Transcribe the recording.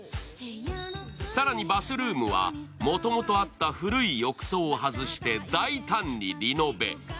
更にバスルームはもともとあった古い浴槽を外して大胆にリノベ。